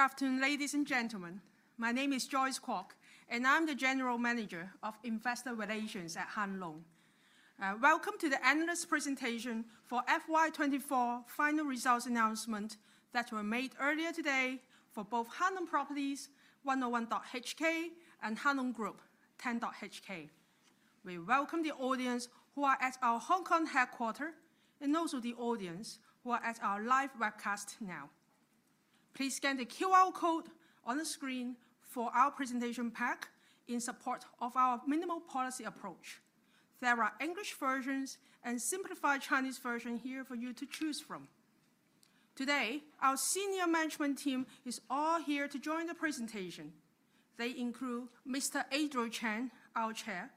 Good afternoon, ladies and gentlemen. My name is Joyce Kwock, and I'm the General Manager of Investor Relations at Hang Lung. Welcome to the analyst presentation for FY2024 final results announcement that were made earlier today for both Hang Lung Properties 101.HK and Hang Lung Group 10.HK. We welcome the audience who are at our Hong Kong headquarters, and also the audience who are at our live webcast now. Please scan the QR code on the screen for our presentation pack in support of our minimal policy approach. There are English versions and a simplified Chinese version here for you to choose from. Today, our senior management team is all here to join the presentation. They include Mr. Adriel Chan, our Chair;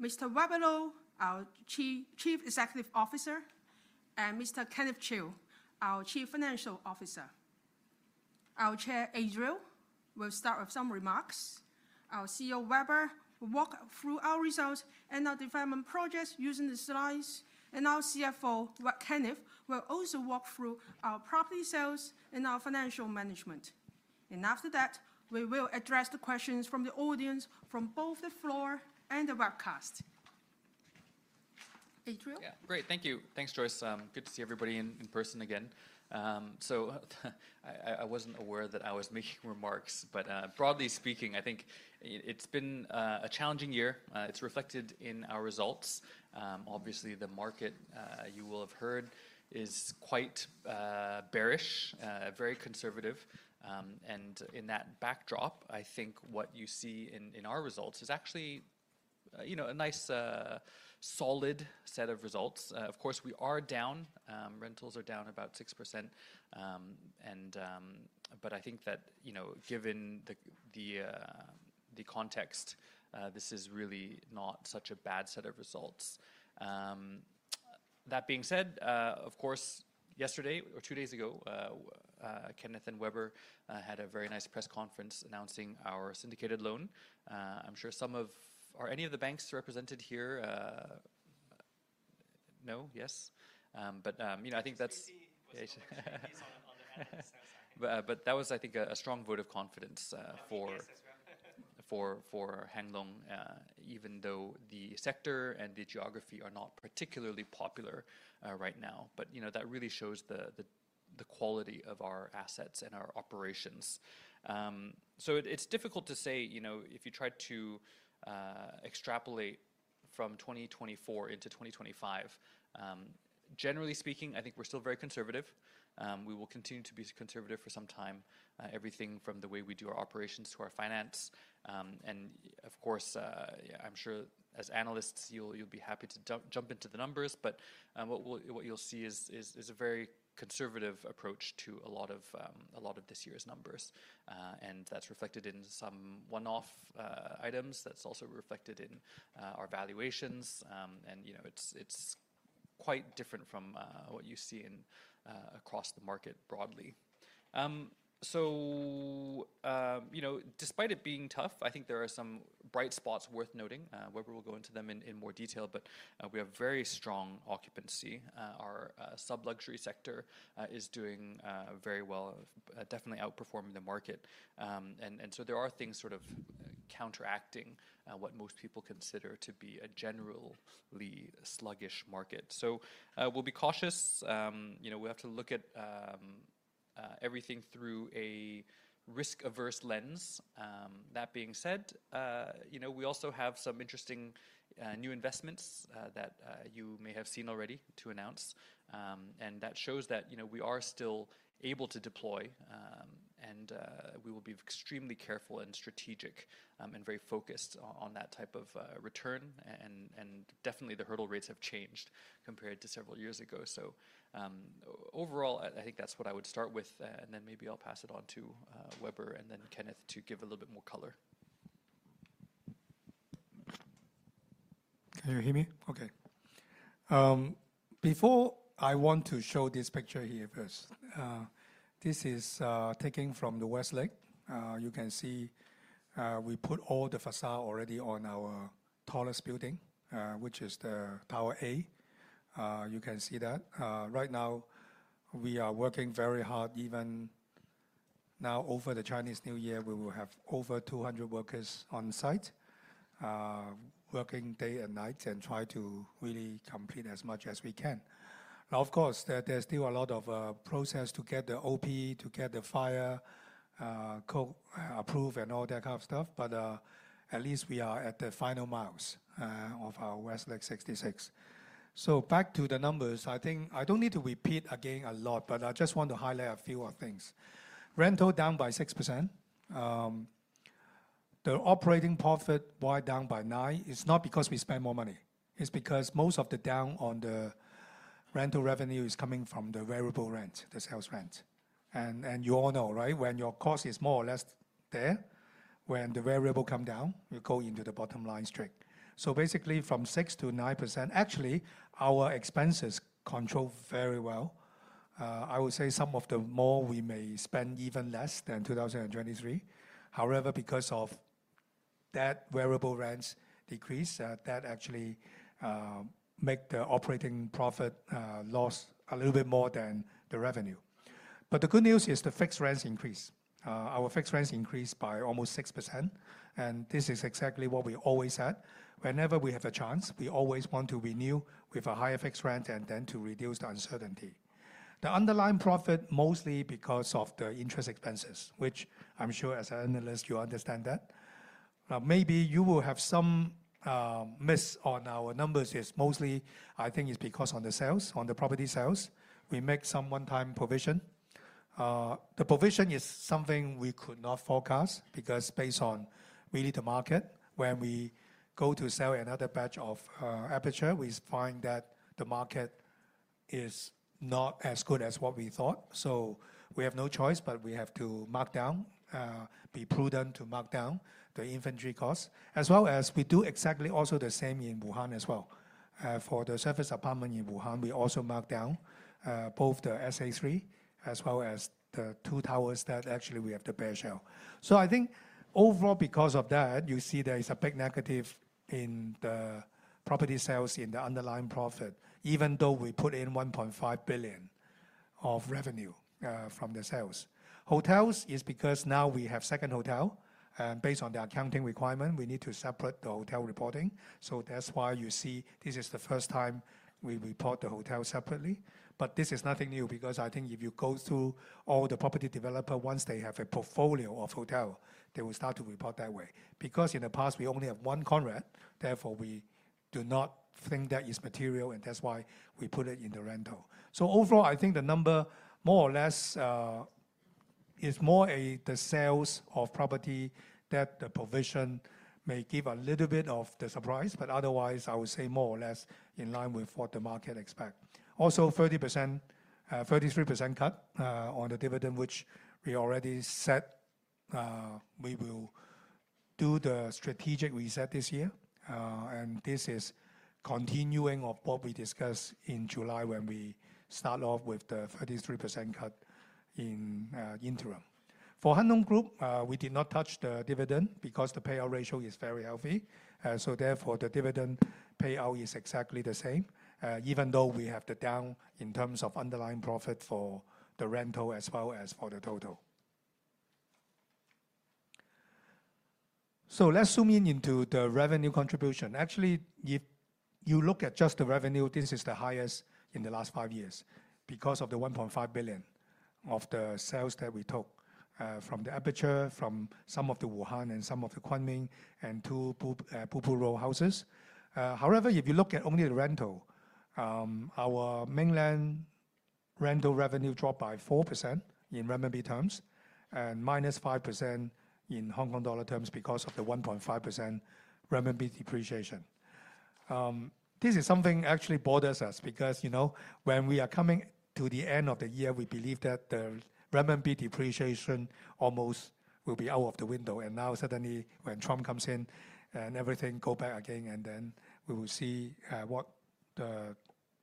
Mr. Weber Lo, our Chief Executive Officer; and Mr. Kenneth Chiu, our Chief Financial Officer. Our Chair Adriel will start with some remarks. Our CEO Weber will walk through our results and our development projects using the slides, and our CFO Kenneth will also walk through our property sales and our financial management. And after that, we will address the questions from the audience from both the floor and the webcast. Adriel? Yeah, great. Thank you. Thanks, Joyce. Good to see everybody in person again. So I wasn't aware that I was making remarks, but broadly speaking, I think it's been a challenging year. It's reflected in our results. Obviously, the market, you will have heard, is quite bearish, very conservative. And in that backdrop, I think what you see in our results is actually a nice, solid set of results. Of course, we are down. Rentals are down about 6%. But I think that, given the context, this is really not such a bad set of results. That being said, of course, yesterday or two days ago, Kenneth and Weber had a very nice press conference announcing our syndicated loan. I'm sure some of or any of the banks represented here know, yes? But I think that's. But that was, I think, a strong vote of confidence for Hang Lung, even though the sector and the geography are not particularly popular right now. But that really shows the quality of our assets and our operations. So it's difficult to say if you try to extrapolate from 2024 into 2025. Generally speaking, I think we're still very conservative. We will continue to be conservative for some time, everything from the way we do our operations to our finance. And of course, I'm sure as analysts, you'll be happy to jump into the numbers, but what you'll see is a very conservative approach to a lot of this year's numbers. And that's reflected in some one-off items. That's also reflected in our valuations. And it's quite different from what you see across the market broadly. So despite it being tough, I think there are some bright spots worth noting. Weber will go into them in more detail, but we have very strong occupancy. Our super-luxury sector is doing very well, definitely outperforming the market, and so there are things sort of counteracting what most people consider to be a generally sluggish market, so we'll be cautious. We have to look at everything through a risk-averse lens. That being said, we also have some interesting new investments that you may have seen already to announce, and that shows that we are still able to deploy, and we will be extremely careful and strategic and very focused on that type of return, and definitely, the hurdle rates have changed compared to several years ago, so overall, I think that's what I would start with, and then maybe I'll pass it on to Weber and then Kenneth to give a little bit more color. Can you hear me? Okay. Before I want to show this picture here first, this is taken from the West Lake. You can see we put all the facade already on our tallest building, which is the Tower A. You can see that. Right now, we are working very hard. Even now, over the Chinese New Year, we will have over 200 workers on site, working day and night and try to really complete as much as we can. Now, of course, there's still a lot of process to get the OP, to get the fire code approved and all that kind of stuff. But at least we are at the final miles of our Westlake 66. So back to the numbers, I think I don't need to repeat again a lot, but I just want to highlight a few things. Rental down by 6%. The operating profit went down by 9%. It's not because we spend more money. It's because most of the downturn in the rental revenue is coming from the variable rent, the sales rent. And you all know, right? When your cost is more or less there, when the variable comes down, you go into the bottom line straight. So basically, from 6% to 9%, actually, our expenses control very well. I would say some more we may spend even less than 2023. However, because of that variable rents decrease, that actually makes the operating profit lose a little bit more than the revenue. But the good news is the fixed rents increase. Our fixed rents increased by almost 6%. And this is exactly what we always had. Whenever we have a chance, we always want to renew with a higher fixed rent and then to reduce the uncertainty. The underlying profit, mostly because of the interest expenses, which I'm sure as an analyst, you understand that. Now, maybe you will have some miss on our numbers. It's mostly, I think, it's because on the sales, on the property sales, we make some one-time provision. The provision is something we could not forecast because based on really the market, when we go to sell another batch of Aperture, we find that the market is not as good as what we thought. So we have no choice, but we have to mark down, be prudent to mark down the inventory costs. As well as we do exactly also the same in Wuhan as well. For the service apartment in Wuhan, we also mark down both the SA3 as well as the two towers that actually we have to bare shell. So I think overall, because of that, you see there is a big negative in the property sales in the underlying profit, even though we put in 1.5 billion of revenue from the sales. Hotels is because now we have second hotel. And based on the accounting requirement, we need to separate the hotel reporting. So that's why you see this is the first time we report the hotel separately. But this is nothing new because I think if you go through all the property developer, once they have a portfolio of hotel, they will start to report that way. Because in the past, we only have one Conrad. Therefore, we do not think that is material, and that's why we put it in the rental. So overall, I think the number more or less is more the sales of property that the provision may give a little bit of the surprise. But otherwise, I would say more or less in line with what the market expect. Also, 30%, 33% cut on the dividend, which we already said we will do the strategic reset this year. And this is continuing of what we discussed in July when we start off with the 33% cut in interim. For Hang Lung Group, we did not touch the dividend because the payout ratio is very healthy. So therefore, the dividend payout is exactly the same, even though we have the down in terms of underlying profit for the rental as well as for the total. So let's zoom in into the revenue contribution. Actually, if you look at just the revenue, this is the highest in the last five years because of the 1.5 billion of the sales that we took from The Aperture, from some of the Wuhan and some of the Kunming and two Blue Pool Road houses. However, if you look at only the rental, our mainland rental revenue dropped by 4% in Renminbi terms and -5% in Hong Kong dollar terms because of the 1.5% Renminbi depreciation. This is something actually bothers us because when we are coming to the end of the year, we believe that the Renminbi depreciation almost will be out of the window, and now suddenly, when Trump comes in and everything goes back again, and then we will see what the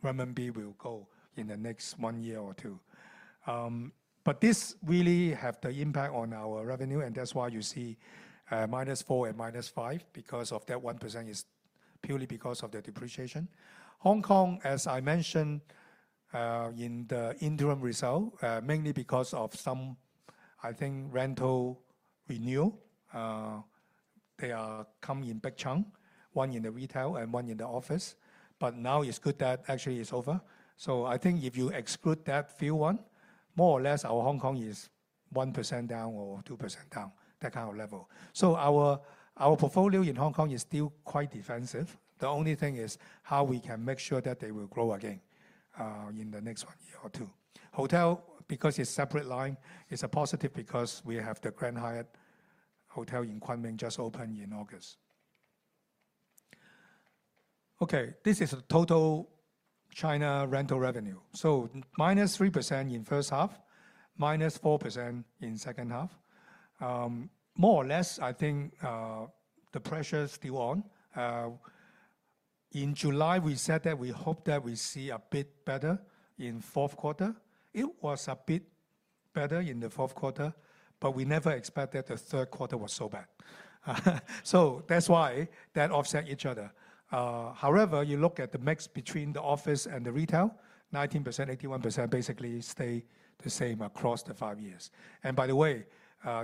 Renminbi will go in the next one year or two. This really has the impact on our revenue, and that's why you see minus 4% and minus 5% because of that 1% is purely because of the depreciation. Hong Kong, as I mentioned in the interim result, mainly because of some, I think, rental renewal. They are coming in big chunks, one in the retail and one in the office. Now it's good that actually it's over. I think if you exclude that few one, more or less, our Hong Kong is 1% down or 2% down, that kind of level. Our portfolio in Hong Kong is still quite defensive. The only thing is how we can make sure that they will grow again in the next one year or two. Hotel, because it's separate line, is a positive because we have the Grand Hyatt Hotel in Kunming just opened in August. Okay, this is the total China rental revenue. So minus 3% in first half, minus 4% in second half. More or less, I think the pressure is still on. In July, we said that we hope that we see a bit better in fourth quarter. It was a bit better in the fourth quarter, but we never expected the third quarter was so bad. So that's why that offset each other. However, you look at the mix between the office and the retail, 19%, 81% basically stay the same across the five years. And by the way,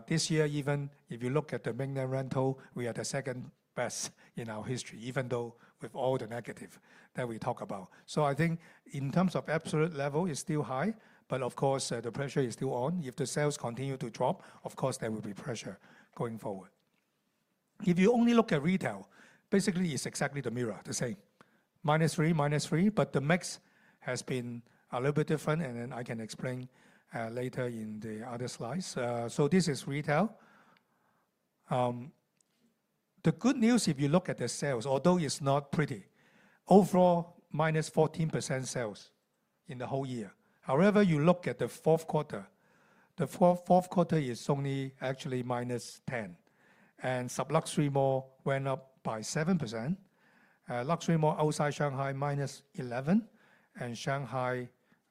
this year, even if you look at the mainland rental, we are the second best in our history, even though with all the negative that we talk about. So I think in terms of absolute level, it's still high, but of course, the pressure is still on. If the sales continue to drop, of course, there will be pressure going forward. If you only look at retail, basically, it's exactly the mirror, the same, minus 3%, minus 3%, but the mix has been a little bit different, and then I can explain later in the other slides. So this is retail. The good news, if you look at the sales, although it's not pretty, overall, minus 14% sales in the whole year. However, you look at the fourth quarter, the fourth quarter is only actually minus 10%. And sub-luxury mall went up by 7%. Luxury mall outside Shanghai, minus 11%, and Shanghai,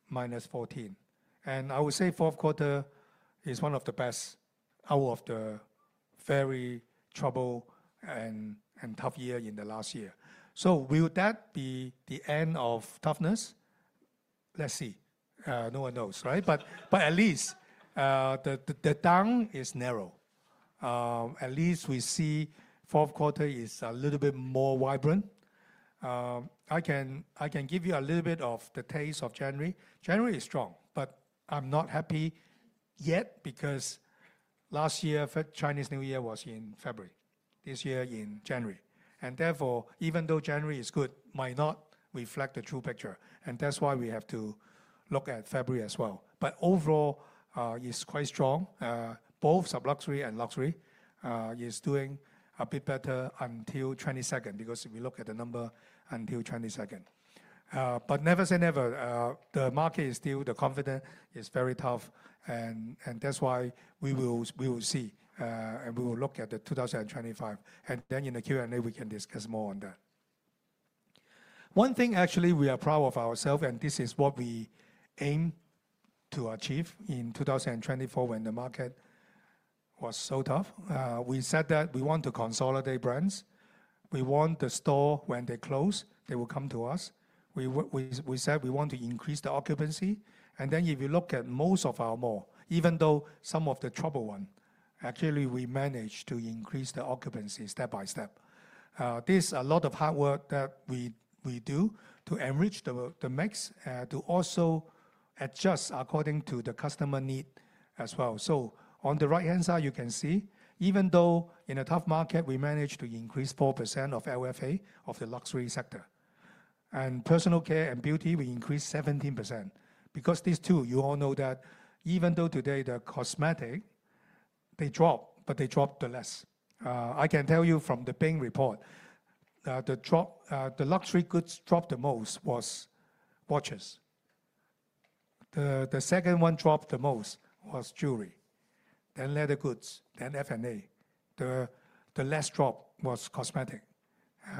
minus 14%. And I would say fourth quarter is one of the best out of the very trouble and tough year in the last year. So will that be the end of toughness? Let's see. No one knows, right? But at least the downturn is narrow. At least we see fourth quarter is a little bit more vibrant. I can give you a little bit of the taste of January. January is strong, but I'm not happy yet because last year, Chinese New Year was in February. This year in January. And therefore, even though January is good, might not reflect the true picture. And that's why we have to look at February as well. But overall, it's quite strong. Both sub-luxury and luxury is doing a bit better until 22nd because if we look at the number until 22nd. But never say never. The market is still, the confidence is very tough. And that's why we will see and we will look at the 2025. And then in the Q&A, we can discuss more on that. One thing actually we are proud of ourselves, and this is what we aim to achieve in 2024 when the market was so tough. We said that we want to consolidate brands. We want the store when they close, they will come to us. We said we want to increase the occupancy. And then if you look at most of our mall, even though some of the trouble one, actually we managed to increase the occupancy step by step. There's a lot of hard work that we do to enrich the mix, to also adjust according to the customer need as well. So on the right-hand side, you can see even though in a tough market, we managed to increase 4% of LFA of the luxury sector, and personal care and beauty, we increased 17%. Because these two, you all know that even though today the cosmetics dropped, but they dropped the least. I can tell you from the Bain report, the luxury goods dropped the most was watches. The second one dropped the most was jewelry, then leather goods, then F&A. The last drop was cosmetics,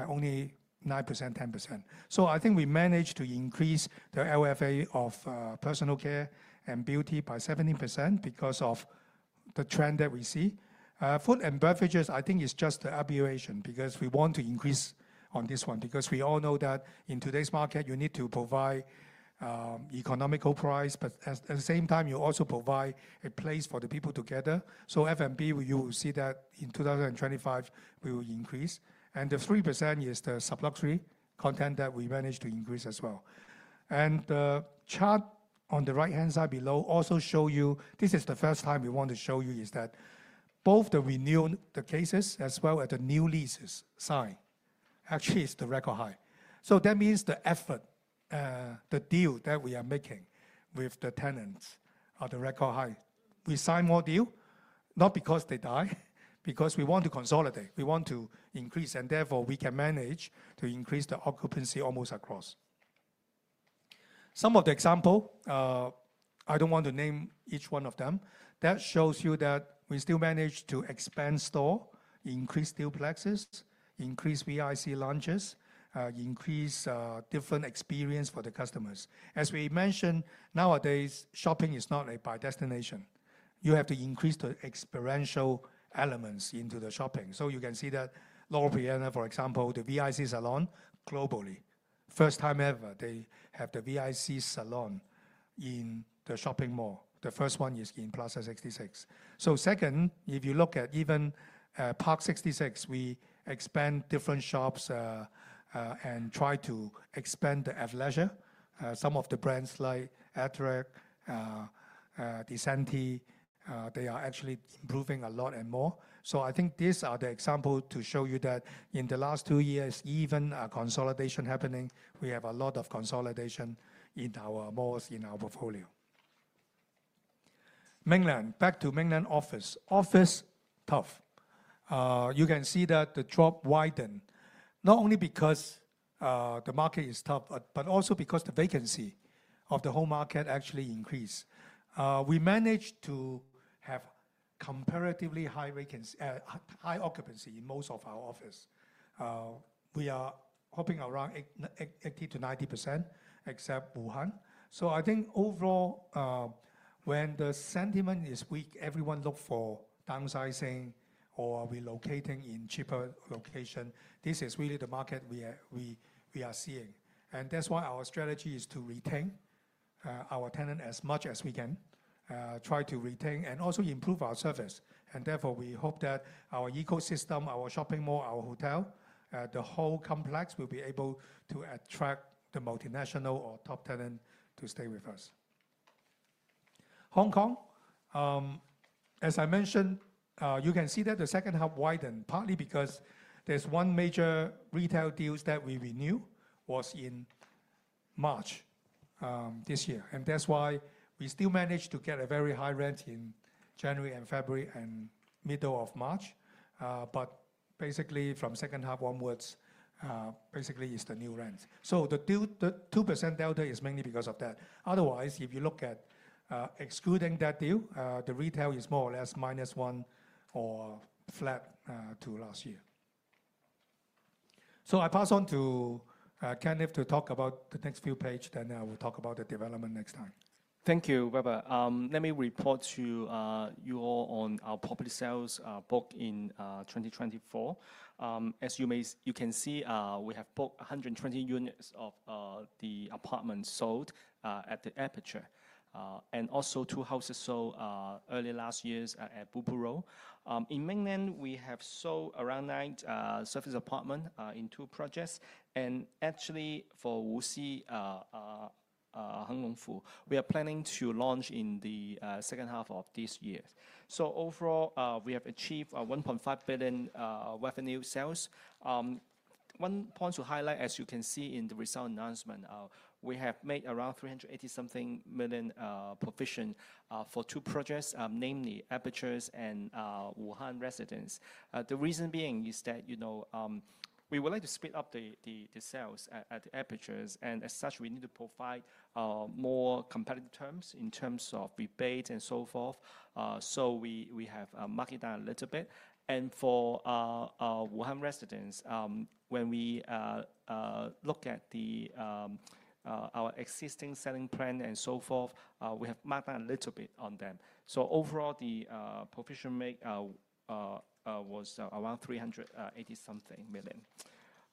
only 9%, 10%. So I think we managed to increase the LFA of personal care and beauty by 17% because of the trend that we see. Food and beverages, I think it's just the aberration because we want to increase on this one because we all know that in today's market, you need to provide economical price, but at the same time, you also provide a place for the people to gather. So F&B, you will see that in 2025, we will increase. And the 3% is the sub-luxury content that we managed to increase as well. The chart on the right-hand side below also shows you. This is the first time we want to show you is that both the renewal cases as well as the new leases signed actually are the record high. So that means the efforts, the deals that we are making with the tenants are the record high. We sign more deals, not because they die, because we want to consolidate. We want to increase, and therefore, we can manage to increase the occupancy almost across. Some of the examples, I don't want to name each one of them, that shows you that we still manage to expand stores, increase the LFA, increase VIC launches, increase different experiences for the customers. As we mentioned, nowadays, shopping is not a buy destination. You have to increase the experiential elements into the shopping. So you can see that Loro Piana, for example, the VIC salon globally, first time ever they have the VIC salon in the shopping mall. The first one is in Plaza 66. Second, if you look at even Parc 66, we expand different shops and try to expand the athleisure. Some of the brands like Arc'teryx, Descente, they are actually improving a lot and more. So I think these are the examples to show you that in the last two years, even a consolidation happening, we have a lot of consolidation in our malls in our portfolio. Mainland, back to mainland office. Office tough. You can see that the drop widen, not only because the market is tough, but also because the vacancy of the whole market actually increased. We managed to have comparatively high occupancy in most of our office. We are hoping around 80%-90%, except Wuhan. So I think overall, when the sentiment is weak, everyone looks for downsizing or relocating in cheaper location. This is really the market we are seeing. And that's why our strategy is to retain our tenant as much as we can, try to retain and also improve our service. And therefore, we hope that our ecosystem, our shopping mall, our hotel, the whole complex will be able to attract the multinational or top tenant to stay with us. Hong Kong, as I mentioned, you can see that the second half widened, partly because there's one major retail deals that we renew was in March this year. And that's why we still managed to get a very high rent in January and February and middle of March. But basically, from second half onwards, basically it's the new rent. So the 2% delta is mainly because of that. Otherwise, if you look at excluding that deal, the retail is more or less minus 1% or flat to last year. So I pass on to Kenneth to talk about the next few pages, then I will talk about the development next time. Thank you, Weber. Let me report to you all on our pre-sales bookings in 2024. As you can see, we have booked 120 units of the apartments sold at The Aperture. And also two houses sold early last year at Blue Pool Road. In mainland, we have sold around nine serviced apartments in two projects. And actually, for Wuxi Hang Lung Group, we are planning to launch in the second half of this year. So overall, we have achieved 1.5 billion revenue sales. One point to highlight, as you can see in the results announcement, we have made around HK$380-something million provision for two projects, namely Aperture and Wuhan residences. The reason being is that we would like to speed up the sales at the Aperture. And as such, we need to provide more competitive terms in terms of rebate and so forth. So we have marked down a little bit. And for Wuhan residences, when we look at our existing selling plan and so forth, we have marked down a little bit on them. So overall, the provision was around HK$380-something million.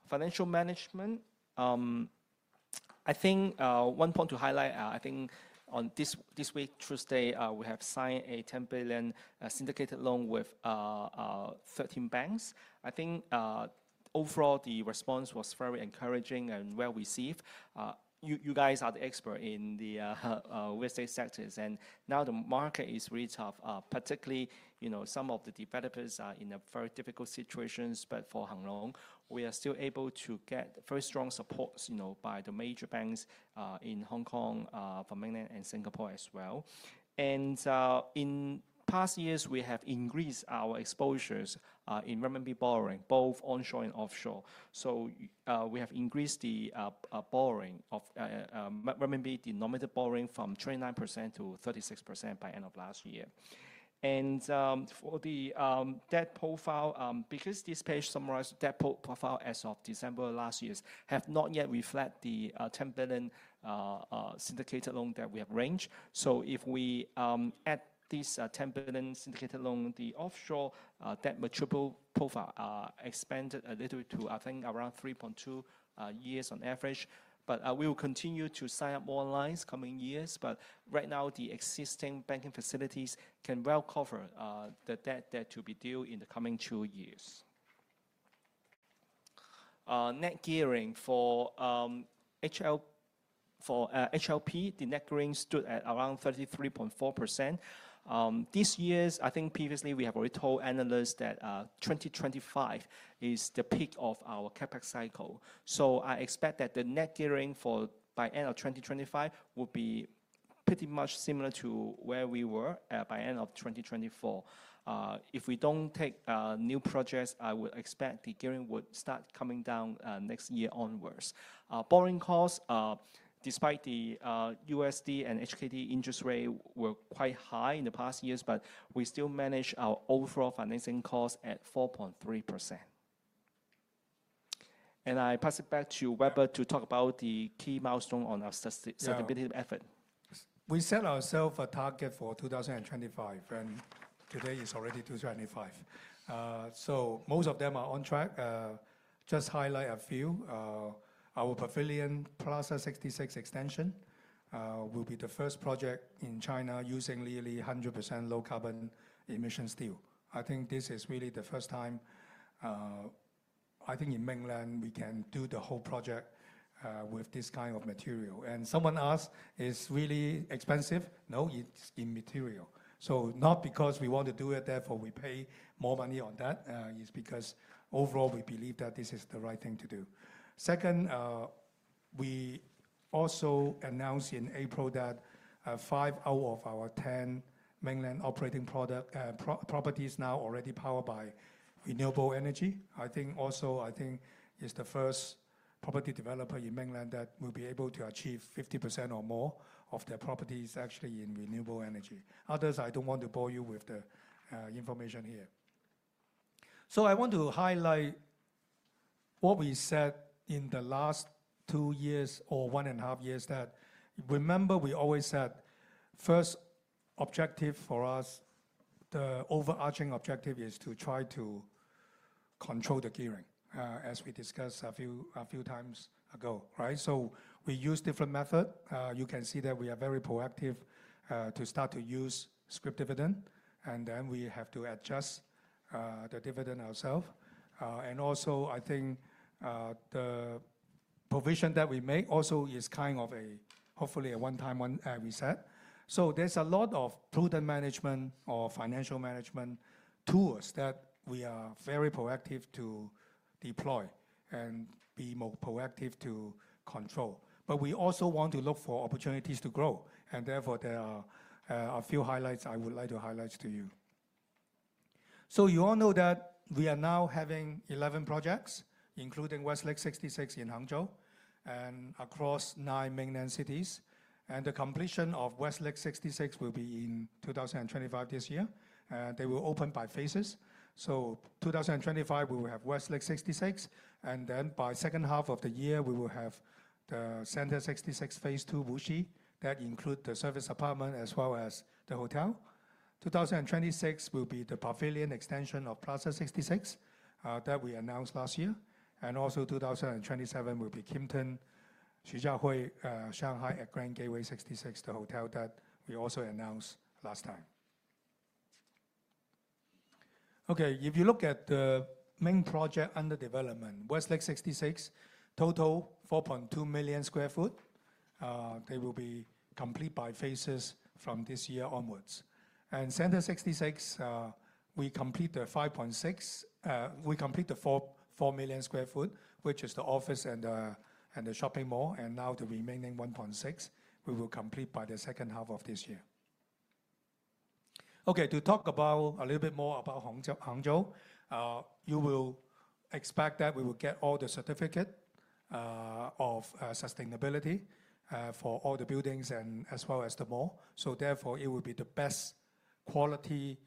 Financial management, I think one point to highlight. I think on this week Tuesday, we have signed a HK$10 billion syndicated loan with 13 banks. I think overall, the response was very encouraging and well received. You guys are the expert in the real estate sectors. And now the market is really tough, particularly some of the developers are in a very difficult situation. But for Hang Lung, we are still able to get very strong support by the major banks in Hong Kong, for mainland and Singapore as well. And in past years, we have increased our exposures in Renminbi borrowing, both onshore and offshore. So we have increased the borrowing of Renminbi denominated borrowing from 29%-36% by end of last year. And for the debt profile, because this page summarized debt profile as of December last year have not yet reflected the 10 billion syndicated loan that we have arranged. So if we add this 10 billion syndicated loan, the offshore debt maturity profile expanded a little bit to, I think, around 3.2 years on average. But we will continue to sign up more lines coming years. But right now, the existing banking facilities can well cover the debt to be due in the coming two years. Net gearing for HLP, the net gearing stood at around 33.4%. This year, I think previously we have already told analysts that 2025 is the peak of our CapEx cycle. So I expect that the net gearing by end of 2025 would be pretty much similar to where we were by end of 2024. If we don't take new projects, I would expect the gearing would start coming down next year onwards. Borrowing costs, despite the USD and HKD interest rate were quite high in the past years, but we still manage our overall financing cost at 4.3%. And I pass it back to Weber to talk about the key milestone on our sustainability effort. We set ourselves a target for 2025, and today is already 2025. Most of them are on track. Just highlight a few. Our Pavilion Plaza 66 extension will be the first project in China using nearly 100% low carbon emission steel. I think this is really the first time, I think in mainland, we can do the whole project with this kind of material. And someone asked, is it really expensive? No, it's immaterial. So not because we want to do it, therefore we pay more money on that. It's because overall we believe that this is the right thing to do. Second, we also announced in April that five out of our 10 mainland operating properties now already powered by renewable energy. I think also, I think it's the first property developer in mainland that will be able to achieve 50% or more of their properties actually in renewable energy. Others, I don't want to bore you with the information here. I want to highlight what we said in the last two years or one and a half years that remember we always said first objective for us, the overarching objective is to try to control the gearing as we discussed a few times ago, right? We use different methods. You can see that we are very proactive to start to use scrip dividend, and then we have to adjust the dividend ourselves. And also, I think the provision that we make also is kind of a hopefully a one-time reset. So there's a lot of prudent management or financial management tools that we are very proactive to deploy and be more proactive to control. But we also want to look for opportunities to grow. And therefore, there are a few highlights I would like to highlight to you. You all know that we are now having 11 projects, including Westlake 66 in Hangzhou and across nine mainland cities. The completion of Westlake 66 will be in 2025 this year. They will open by phases. In 2025, we will have Westlake 66. By second half of the year, we will have the Center 66 Phase 2 Wuxi that includes the service apartment as well as the hotel. 2026 will be the Pavilion extension of Plaza 66 that we announced last year. Also 2027 will be Kimpton Xujiahui, Shanghai at Grand Gateway 66, the hotel that we also announced last time. Okay, if you look at the main project under development, Westlake 66, total 4.2 million sq ft. They will be complete by phases from this year onwards. Center 66, we complete the 5.6, we complete the 4 million sq ft, which is the office and the shopping mall. Now the remaining 1.6, we will complete by the second half of this year. Okay, to talk about a little bit more about Hangzhou, you will expect that we will get all the certificate of sustainability for all the buildings and as well as the mall, so therefore, it will be the best quality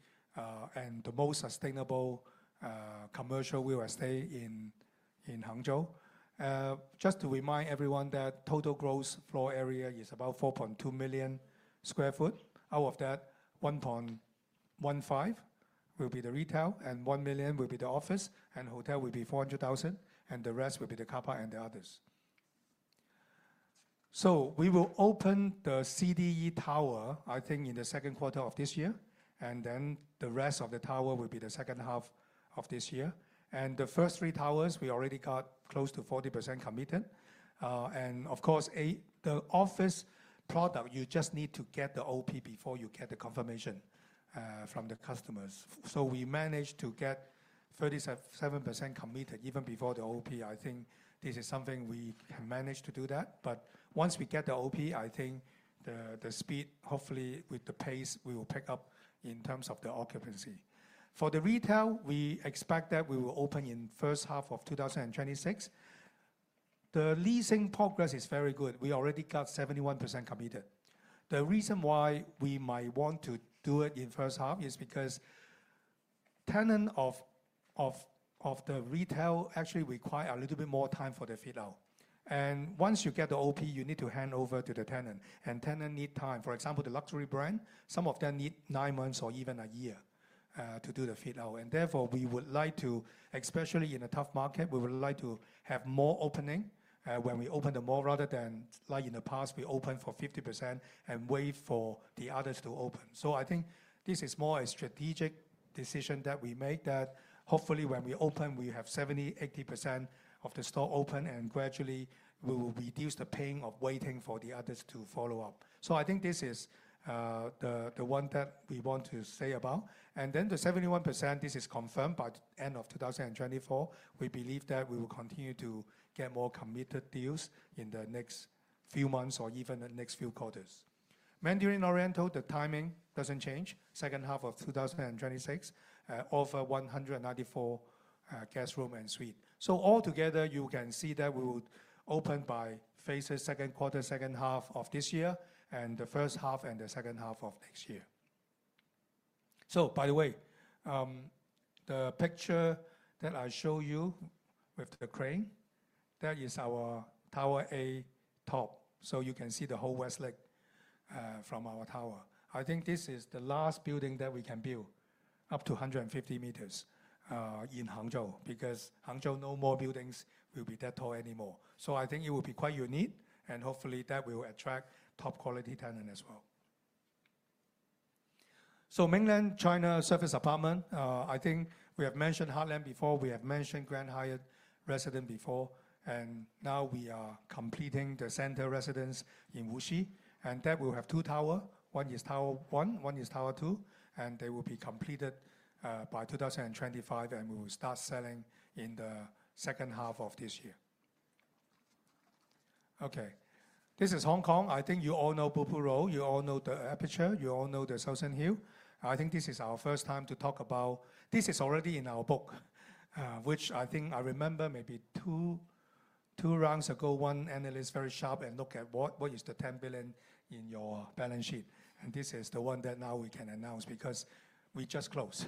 and the most sustainable commercial real estate in Hangzhou. Just to remind everyone that total gross floor area is about 4.2 million sq ft. Out of that, 1.15 will be the retail and 1 million will be the office, and hotel will be 400,000, and the rest will be the car park and the others. We will open the CDE tower, I think, in the second quarter of this year, and then the rest of the tower will be the second half of this year. The first three towers, we already got close to 40% committed. Of course, the office product, you just need to get the OP before you get the confirmation from the customers. We managed to get 37% committed even before the OP. I think this is something we can manage to do that. Once we get the OP, I think the speed, hopefully with the pace, we will pick up in terms of the occupancy. For the retail, we expect that we will open in the first half of 2026. The leasing progress is very good. We already got 71% committed. The reason why we might want to do it in the first half is because tenant of the retail actually requires a little bit more time for the fit-out. And once you get the OP, you need to hand over to the tenant. And tenant need time. For example, the luxury brand, some of them need nine months or even a year to do the fit-out. And therefore, we would like to, especially in a tough market, we would like to have more opening when we open the mall rather than like in the past, we open for 50% and wait for the others to open. So I think this is more a strategic decision that we make that hopefully when we open, we have 70%-80% of the store open and gradually we will reduce the pain of waiting for the others to follow up. I think this is the one that we want to say about. And then the 71%, this is confirmed by the end of 2024. We believe that we will continue to get more committed deals in the next few months or even the next few quarters. Mandarin Oriental, the timing doesn't change. Second half of 2026, over 194 guest rooms and suites. So altogether, you can see that we will open by phases, second quarter, second half of this year, and the first half and the second half of next year. So by the way, the picture that I show you with the crane, that is our Tower A top. So you can see the whole Westlake from our tower. I think this is the last building that we can build up to 150 meters in Hangzhou because Hangzhou, no more buildings will be that tall anymore. So I think it will be quite unique and hopefully that will attract top quality tenant as well. So mainland China service apartment, I think we have mentioned Heartland before. We have mentioned Grand Hyatt Residence before. And now we are completing the Center Residences in Wuxi. And that will have two towers. One is Tower 1, one is Tower 2. And they will be completed by 2025 and we will start selling in the second half of this year. Okay, this is Hong Kong. I think you all know Blue Pool Road. You all know The Aperture. You all know the Shouson Hill. I think this is our first time to talk about this is already in our book, which I think I remember maybe two rounds ago, one analyst very sharp and look at what is the 10 billion in your balance sheet. This is the one that now we can announce because we just closed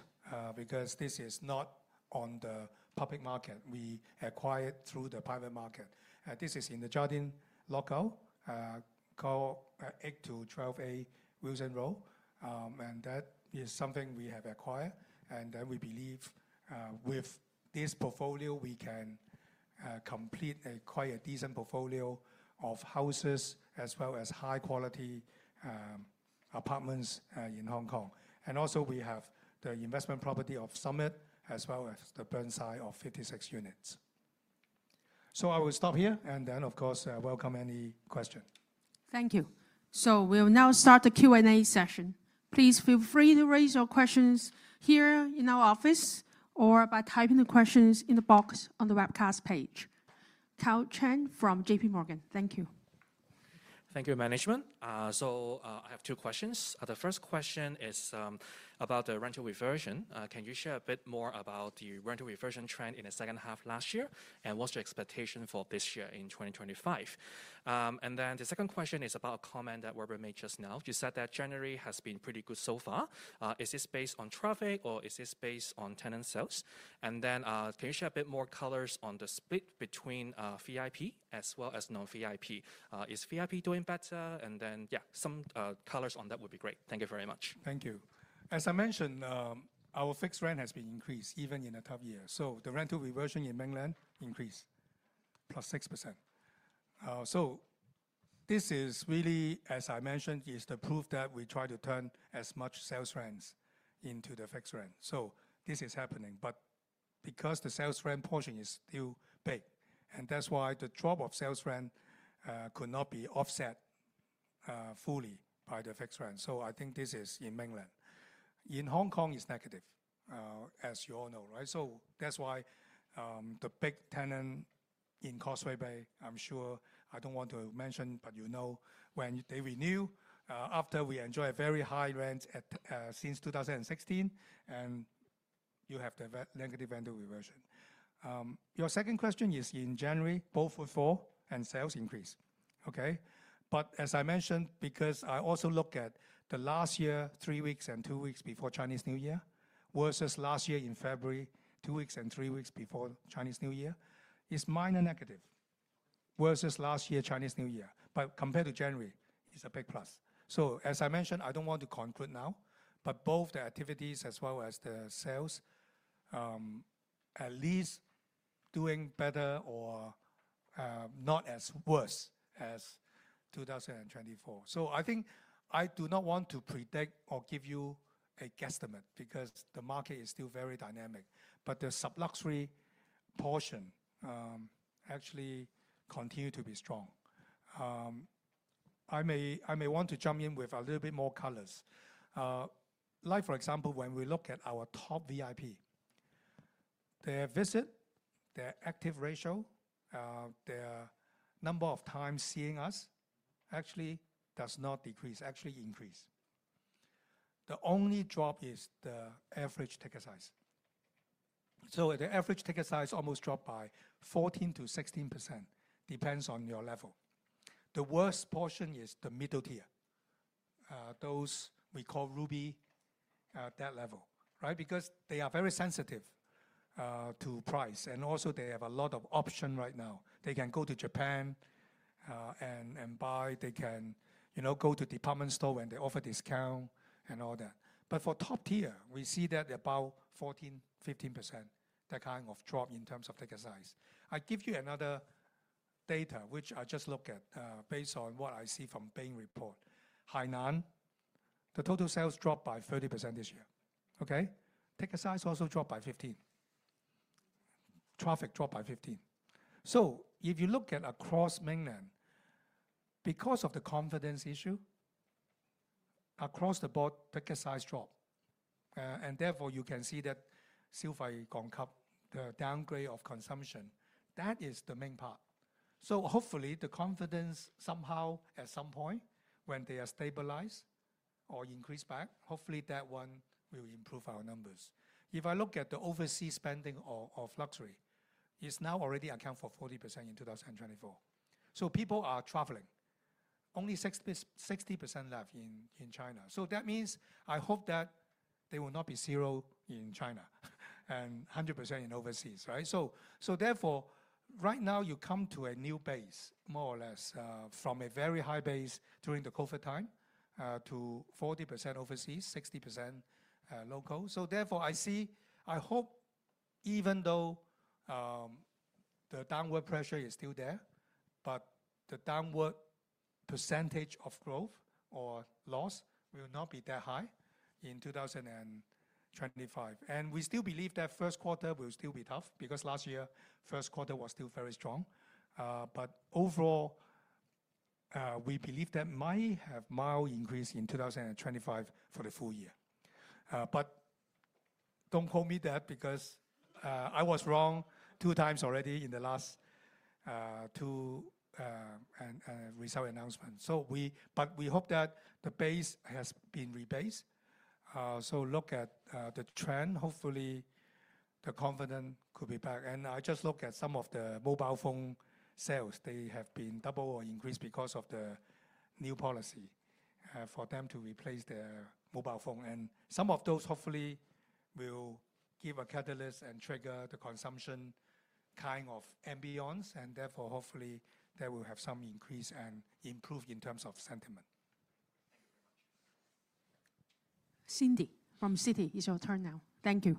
because this is not on the public market. We acquired through the private market. This is in the Jardine's Lookout locale called 8-12A Wilson Road. And that is something we have acquired. And then we believe with this portfolio, we can complete quite a decent portfolio of houses as well as high quality apartments in Hong Kong. And also we have the investment property of The Summit as well as The Burnside of 56 units. So I will stop here and then of course welcome any question. Thank you. So we will now start the Q&A session. Please feel free to raise your questions here in our office or by typing the questions in the box on the webcast page. Karl Chan from J.P. Morgan. Thank you. Thank you, management. So I have two questions. The first question is about the rental reversion. Can you share a bit more about the rental reversion trend in the second half last year? And what's your expectation for this year in 2025? And then the second question is about a comment that Weber made just now. You said that January has been pretty good so far. Is this based on traffic or is this based on tenant sales? And then can you share a bit more colors on the split between VIP as well as non-VIP? Is VIP doing better? And then yeah, some colors on that would be great. Thank you very much. Thank you. As I mentioned, our fixed rent has been increased even in a tough year. So the rental reversion in mainland increased +6%. This is really, as I mentioned, the proof that we try to turn as much sales rents into the fixed rent. This is happening. But because the sales rent portion is still big, and that's why the drop of sales rent could not be offset fully by the fixed rent. I think this is in mainland. In Hong Kong, it's negative, as you all know, right? That's why the big tenant in Causeway Bay, I'm sure I don't want to mention, but you know when they renew, after we enjoy a very high rent since 2016, and you have the negative rental reversion. Your second question is in January, both footfall and sales increase, okay? But as I mentioned, because I also look at the last year, three weeks and two weeks before Chinese New Year versus last year in February, two weeks and three weeks before Chinese New Year, it's minor negative versus last year Chinese New Year. But compared to January, it's a big plus. So as I mentioned, I don't want to conclude now, but both the activities as well as the sales at least doing better or not as worse as 2024. So I think I do not want to predict or give you a guesstimate because the market is still very dynamic, but the super luxury portion actually continues to be strong. I may want to jump in with a little bit more color. Like for example, when we look at our top VIP, their visit, their active ratio, their number of times seeing us actually does not decrease, actually increase. The only drop is the average ticket size. So the average ticket size almost dropped by 14%-16%, depends on your level. The worst portion is the middle tier, those we call Ruby, that level, right? Because they are very sensitive to price and also they have a lot of options right now. They can go to Japan and buy, they can go to department store when they offer discount and all that. But for top tier, we see that about 14%-15%, that kind of drop in terms of ticket size. I give you another data which I just looked at based on what I see from Bain report. Hainan, the total sales dropped by 30% this year, okay? Ticket size also dropped by 15%. Traffic dropped by 15%. So if you look at across mainland, because of the confidence issue across the board, ticket size dropped. Therefore you can see that downgrade of consumption, that is the main part. Hopefully the confidence somehow at some point when they are stabilized or increased back, hopefully that one will improve our numbers. If I look at the overseas spending of luxury, it's now already accounted for 40% in 2024. People are traveling. Only 60% left in China. That means I hope that they will not be zero in China and 100% in overseas, right? Therefore right now you come to a new base more or less from a very high base during the COVID time to 40% overseas, 60% local. Therefore I see, I hope even though the downward pressure is still there, but the downward percentage of growth or loss will not be that high in 2025. We still believe that first quarter will still be tough because last year first quarter was still very strong. But overall, we believe that might have mild increase in 2025 for the full year. But don't quote me that because I was wrong two times already in the last two result announcements. But we hope that the base has been rebased. So look at the trend, hopefully the confidence could be back. And I just look at some of the mobile phone sales. They have been double or increased because of the new policy for them to replace their mobile phone. And some of those hopefully will give a catalyst and trigger the consumption kind of ambiance. And therefore hopefully that will have some increase and improve in terms of sentiment. Cindy from Citi, it is your turn now. Thank you.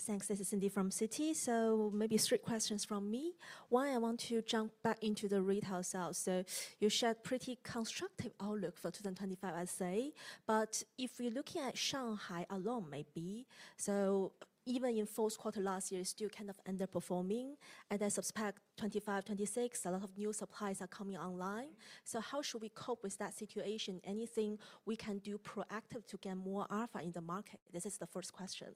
Thanks. This is Cindy from Citi. So maybe straight questions from me. One, I want to jump back into the retail sales. So you shared a pretty constructive outlook for 2025, I'd say. But if we're looking at Shanghai alone, maybe, so even in fourth quarter last year, it's still kind of underperforming. And I suspect 25, 26, a lot of new supplies are coming online. So how should we cope with that situation? Anything we can do proactive to get more alpha in the market? This is the first question.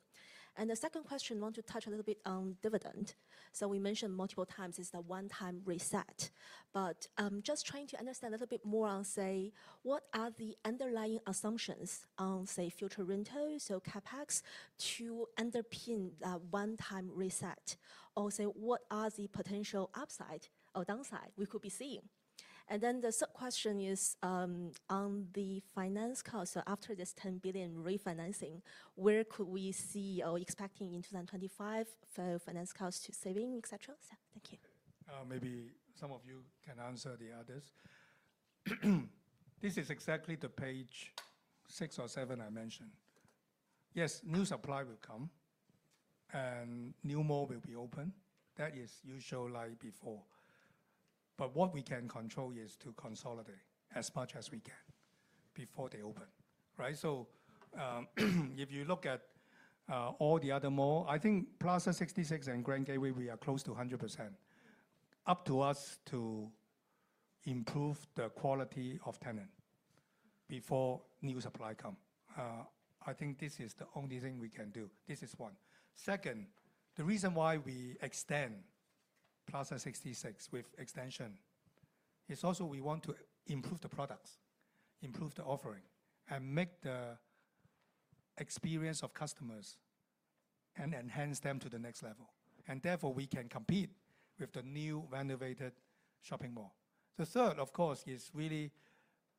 And the second question, I want to touch a little bit on dividend. So we mentioned multiple times it's the one-time reset. But I'm just trying to understand a little bit more on, say, what are the underlying assumptions on, say, future rentals, so CapEx, to underpin that one-time reset? Or say, what are the potential upside or downside we could be seeing? And then the third question is on the finance cost. So after this 10 billion refinancing, where could we see or expecting in 2025 for finance costs to saving, etc.? Thank you. Maybe some of you can answer the others. This is exactly the page six or seven I mentioned. Yes, new supply will come and new mall will be open. That is usual like before. But what we can control is to consolidate as much as we can before they open, right? So if you look at all the other mall, I think Plaza 66 and Grand Gateway, we are close to 100%. Up to us to improve the quality of tenant before new supply come. I think this is the only thing we can do. This is one. Second, the reason why we extend Plaza 66 with extension is also we want to improve the products, improve the offering, and make the experience of customers and enhance them to the next level. Therefore we can compete with the new renovated shopping mall. The third, of course, is really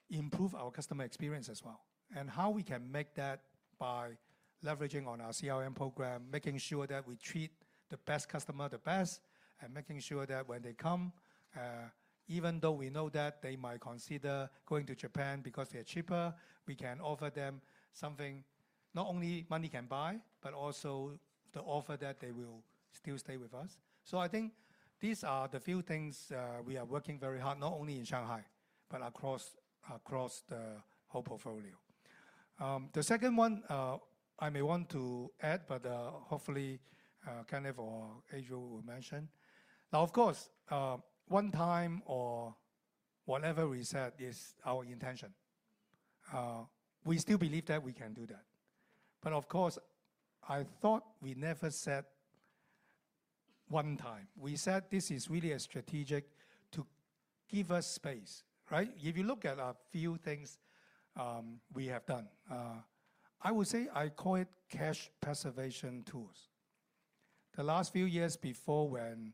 improve our customer experience as well. We can make that by leveraging on our CRM program, making sure that we treat the best customer the best, and making sure that when they come, even though we know that they might consider going to Japan because they're cheaper, we can offer them something not only money can buy, but also the offer that they will still stay with us. I think these are the few things we are working very hard, not only in Shanghai, but across the whole portfolio. The second one I may want to add, but hopefully kind of what Adriel will mention. Now, of course, one-time or whatever we said is our intention. We still believe that we can do that. But of course, I thought we never said one-time. We said this is really a strategic to give us space, right? If you look at a few things we have done, I would say I call it cash preservation tools. The last few years before when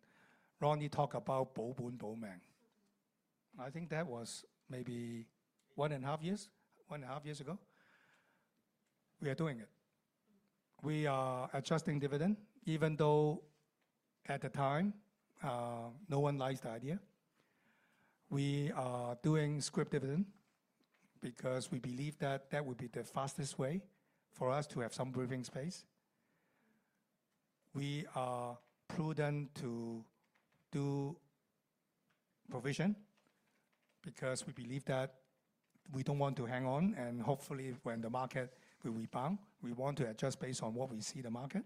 Ronnie talked about the bond buyback program, I think that was maybe one and a half years, one and a half years ago, we are doing it. We are adjusting dividend, even though at the time no one likes the idea. We are doing scrip dividend because we believe that that would be the fastest way for us to have some breathing space. We are prudent to do provision because we believe that we don't want to hang on. Hopefully when the market will rebound, we want to adjust based on what we see the market.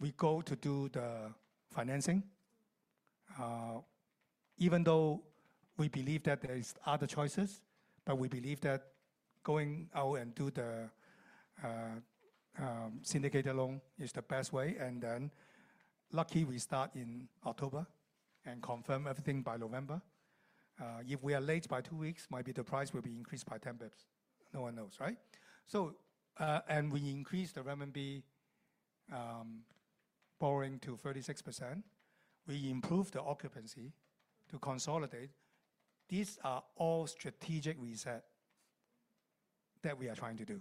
We go to do the financing. Even though we believe that there are other choices, but we believe that going out and do the syndicated loan is the best way. Luckily we start in October and confirm everything by November. If we are late by two weeks, maybe the price will be increased by 10 basis points. No one knows, right? We increase the Renminbi borrowing to 36%. We improve the occupancy to consolidate. These are all strategic reset that we are trying to do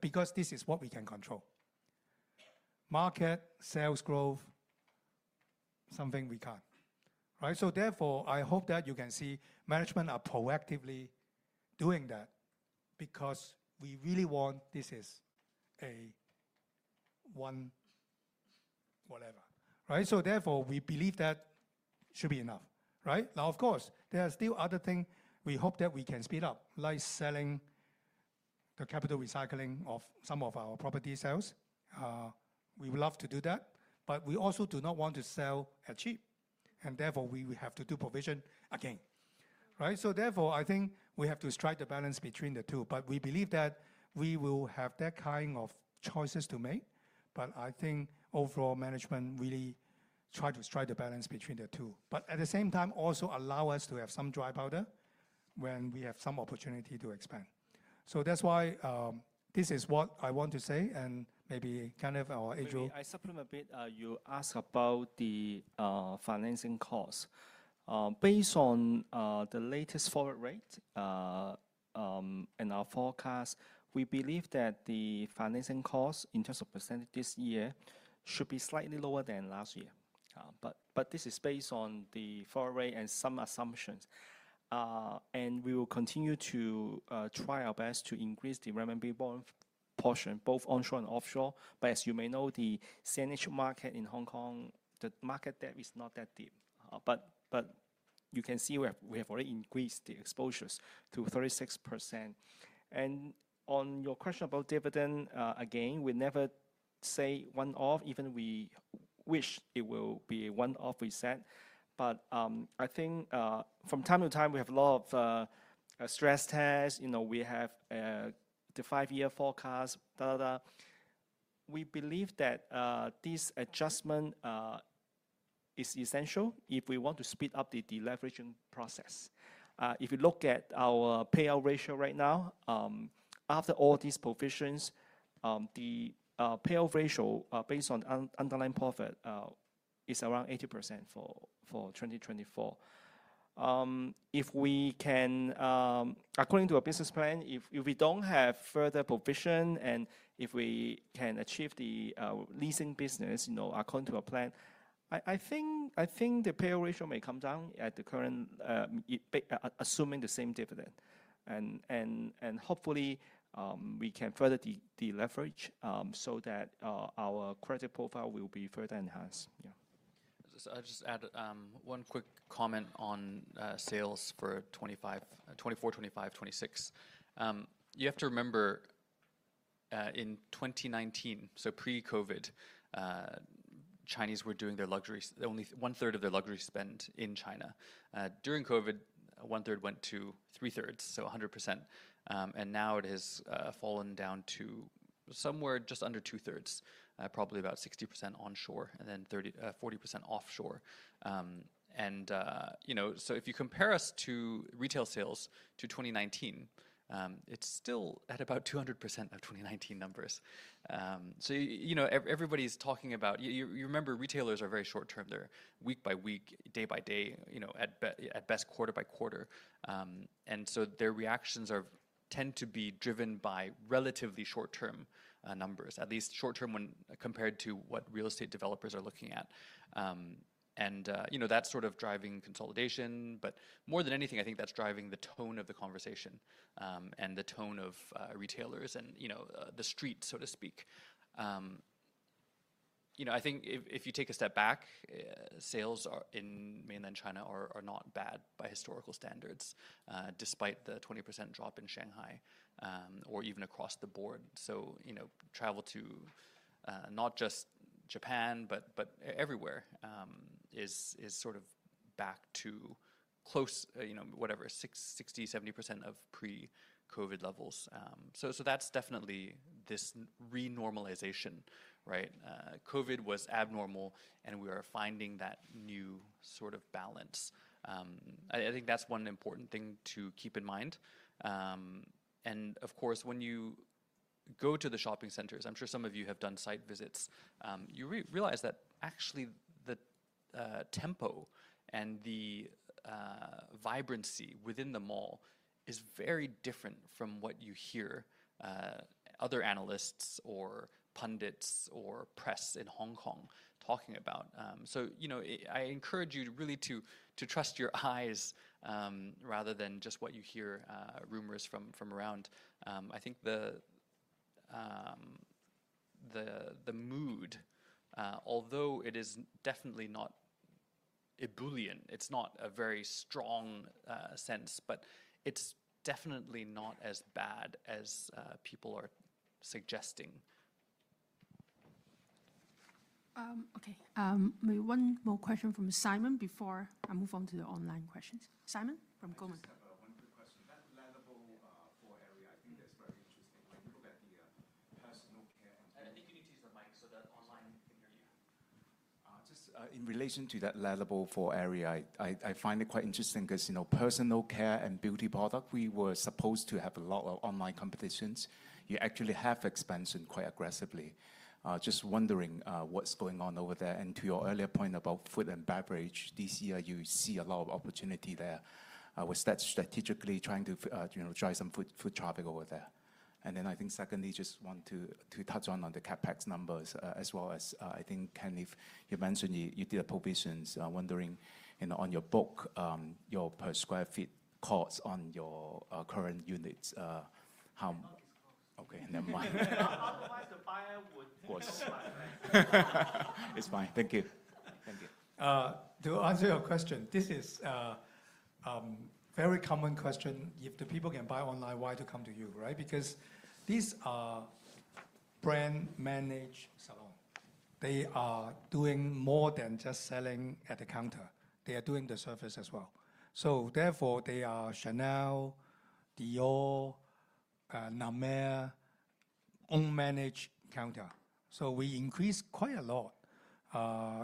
because this is what we can control. Market, sales growth, something we can't, right? So therefore I hope that you can see management are proactively doing that because we really want this is a one whatever, right? So therefore we believe that should be enough, right? Now, of course, there are still other things we hope that we can speed up, like selling the capital recycling of some of our property sales. We would love to do that, but we also do not want to sell at cheap. And therefore we have to do provision again, right? So therefore I think we have to strike the balance between the two. But we believe that we will have that kind of choices to make. But I think overall management really tries to strike the balance between the two. But at the same time, also allow us to have some dry powder when we have some opportunity to expand. So that's why this is what I want to say. And maybe kind of our CFO. I'll supplement a bit. You asked about the financing costs. Based on the latest forward rate and our forecast, we believe that the financing costs in terms of percentage this year should be slightly lower than last year. But this is based on the forward rate and some assumptions. And we will continue to try our best to increase the Renminbi borrowing portion, both onshore and offshore. But as you may know, the CNH market in Hong Kong, the market debt is not that deep. But you can see we have already increased the exposures to 36%. And on your question about dividend, again, we never say one-off, even we wish it will be a one-off reset. But I think from time to time we have a lot of stress tests. You know, we have the five-year forecast, blah, blah, blah. We believe that this adjustment is essential if we want to speed up the deleveraging process. If you look at our Payout Ratio right now, after all these provisions, the Payout Ratio based on underlying profit is around 80% for 2024. If we can, according to a business plan, if we don't have further provision and if we can achieve the leasing business, you know, according to a plan, I think the Payout Ratio may come down at the current, assuming the same dividend, and hopefully we can further deleverage so that our credit profile will be further enhanced. Yeah. I'll just add one quick comment on sales for 2024, 2025, 2026. You have to remember in 2019, so pre-COVID, Chinese were doing their luxuries, only one-third of their luxury spend in China. During COVID, one-third went to three-thirds, so 100%. And now it has fallen down to somewhere just under two-thirds, probably about 60% onshore and then 40% offshore. And you know, so if you compare us to retail sales to 2019, it's still at about 200% of 2019 numbers. So you know, everybody's talking about, you remember retailers are very short-term. They're week by week, day by day, you know, at best quarter by quarter. And so their reactions tend to be driven by relatively short-term numbers, at least short-term when compared to what real estate developers are looking at. And you know, that's sort of driving consolidation. But more than anything, I think that's driving the tone of the conversation and the tone of retailers and, you know, the streets, so to speak. You know, I think if you take a step back, sales in mainland China are not bad by historical standards, despite the 20% drop in Shanghai or even across the board. So, you know, travel to not just Japan, but everywhere is sort of back to close, you know, whatever, 60%-70% of pre-COVID levels. So that's definitely this renormalization, right? COVID was abnormal and we are finding that new sort of balance. I think that's one important thing to keep in mind. And of course, when you go to the shopping centers, I'm sure some of you have done site visits, you realize that actually the tempo and the vibrancy within the mall is very different from what you hear other analysts or pundits or press in Hong Kong talking about. So, you know, I encourage you really to trust your eyes rather than just what you hear rumors from around. I think the mood, although it is definitely not ebullient, it's not a very strong sense, but it's definitely not as bad as people are suggesting. Okay. Maybe one more question from Simon before I move on to the online questions. Simon from Goldman. Just one quick question. That Le Labo foray, I think that's very interesting. When you look at the personal care and beauty. I think you need to use the mic so that online audience. Just in relation to that Le Labo foray, I find it quite interesting because, you know, personal care and beauty products, we were supposed to have a lot of online competition. You actually have expansion quite aggressively. Just wondering what's going on over there. To your earlier point about food and beverage, this year you see a lot of opportunity there. Was that strategically trying to, you know, drive some food traffic over there? And then I think secondly, just want to touch on the CapEx numbers as well as I think kind of you mentioned you did a provisions. I'm wondering, you know, on your book, your per square feet cost on your current units, how? Okay. And then mine. Otherwise the buyer would pay. Of course. It's fine. Thank you. Thank you. To answer your question, this is a very common question. If the people can buy online, why to come to you, right? Because these are brand-managed salons. They are doing more than just selling at the counter. They are doing the service as well. So therefore they are Chanel, Dior, La Mer, own-managed counter. We increased quite a lot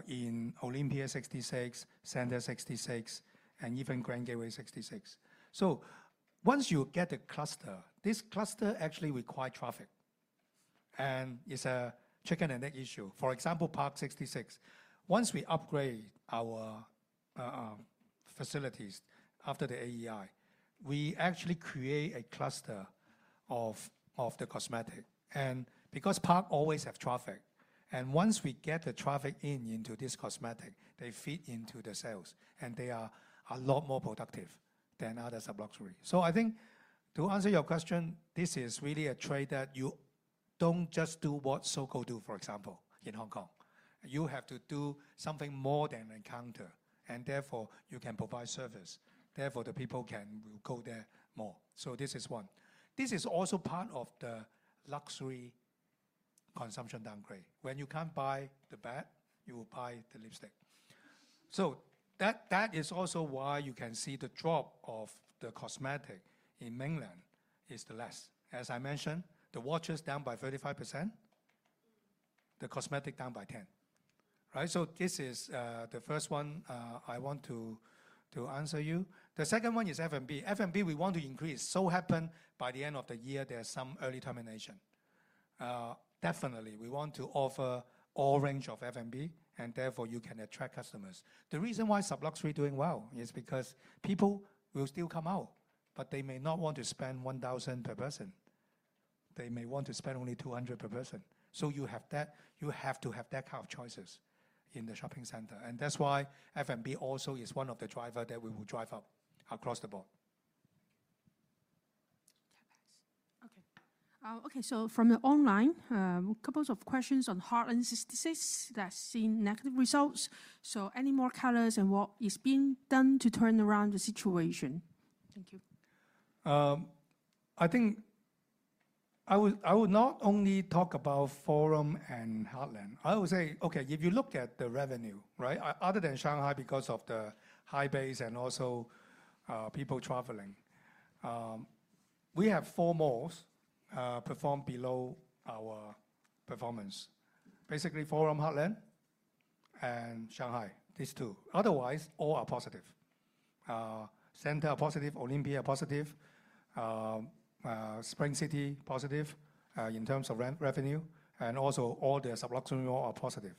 in Olympia 66, Center 66, and even Grand Gateway 66. Once you get the cluster, this cluster actually requires traffic. It's a chicken and egg issue. For example, Parc 66. Once we upgrade our facilities after the AEI, we actually create a cluster of the cosmetics. Because Parc 66 always has traffic, and once we get the traffic into this cosmetics, they feed into the sales. They are a lot more productive than others of luxury. To answer your question, this is really a trade that you don't just do what SOGO do, for example, in Hong Kong. You have to do something more than a counter. Therefore you can provide service. Therefore the people can go there more. This is one. This is also part of the luxury consumption downgrade. When you can't buy the bag, you will buy the lipstick. So that is also why you can see the drop of the cosmetic in mainland is the less. As I mentioned, the watch is down by 35%. The cosmetic down by 10%. Right? So this is the first one I want to answer you. The second one is F&B. F&B we want to increase. So by the end of the year, there's some early termination. Definitely, we want to offer all range of F&B, and therefore you can attract customers. The reason why some luxury is doing well is because people will still come out, but they may not want to spend 1,000 per person. They may want to spend only 200 per person. So you have that, you have to have that kind of choices in the shopping center. And that's why F&B also is one of the drivers that we will drive up across the board. Thank you. Okay. Okay. So from the online, a couple of questions on Heartland 66 that's seen negative results. So any more colors and what is being done to turn around the situation? Thank you. I think I would not only talk about Forum and Heartland. I would say, okay, if you look at the revenue, right, other than Shanghai because of the high base and also people traveling, we have four malls perform below our performance. Basically, Forum, Heartland, and Shanghai, these two. Otherwise, all are positive. Center are positive, Olympia are positive, Spring City positive in terms of revenue. And also all the sub-luxury malls are positive.